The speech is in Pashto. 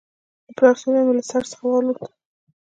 د پلار سیوری مې له سر څخه والوت.